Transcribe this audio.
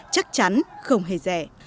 chắc chắn không hề rẻ